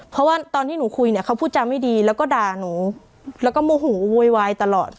เพราะว่าตอนที่หนูคุยเนี่ยเขาพูดจาไม่ดีแล้วก็ด่าหนูแล้วก็โมโหโวยวายตลอด